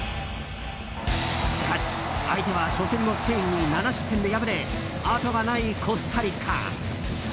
しかし、相手は初戦のスペインに７失点で敗れ後がないコスタリカ。